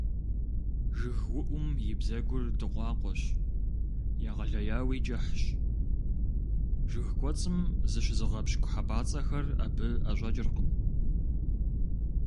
ЖыгыуIум и бзэгур дыкъуакъуэщ, егъэлеяуи кIыхьщ. Жыг кIуэцIым зыщызыгъэпщкIу хьэпIацIэхэр абы IэщIэкIыркъым.